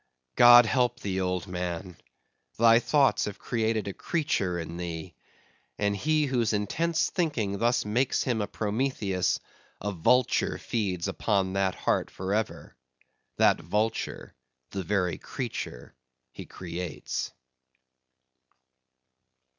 God help thee, old man, thy thoughts have created a creature in thee; and he whose intense thinking thus makes him a Prometheus; a vulture feeds upon that heart for ever; that vulture the very creature he creates.